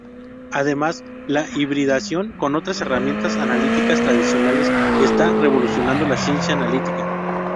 Además, la hibridación con otras herramientas analíticas tradicionales está revolucionando la ciencia analítica.